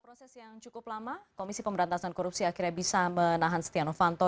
proses yang cukup lama komisi pemberantasan korupsi akhirnya bisa menahan setia novanto